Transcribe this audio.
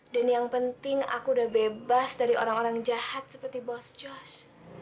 yang penting aku udah bebas dari orang orang jahat seperti bos jos